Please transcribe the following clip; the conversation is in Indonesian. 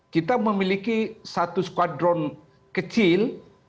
kita memiliki satu skuadron kecil